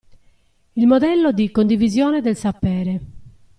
Il modello di "condivisione del sapere".